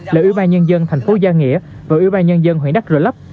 là ubnd thành phố gia nghĩa và ubnd huyện đắc rồi lấp